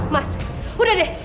mas udah deh